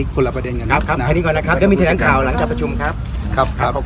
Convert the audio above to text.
ขอบคุณครับ